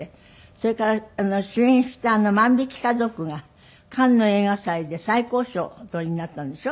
それから主演した『万引き家族』がカンヌ映画祭で最高賞をお取りになったんでしょ？